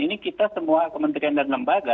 ini kita semua kementerian dan lembaga